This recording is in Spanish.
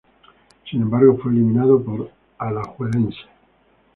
Sin embargo, fue eliminado por Alajuelense.